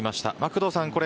工藤さん